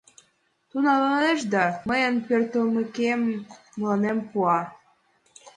Тудо налеш да, мыйын пӧртылмекем, мыланем пуа.